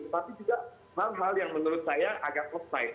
tetapi juga hal hal yang menurut saya agak offside